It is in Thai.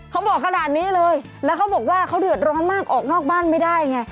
เขาบอกขนาดนี้เลยแล้วเขาบอกว่าเขาเดือดร้อนมากออกนอกบ้านไม่ได้ไง